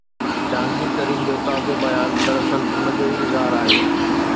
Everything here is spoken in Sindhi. جهانگير ترين جو تازو بيان دراصل ان جو ئي اظهار آهي.